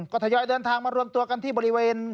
ก็ทยอยเดินทางมารวมตัวกันที่บริเวณ